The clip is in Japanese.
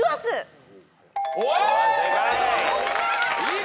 正解。